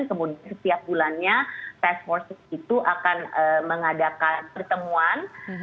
kemudian setiap bulannya test courses itu akan mengadakan pertemuan